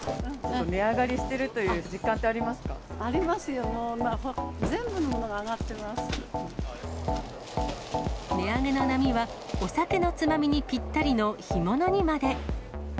値上がりしてるという実感っありますよ、全部のものが上値上げの波は、お酒のつまみにぴったりの干物にまで。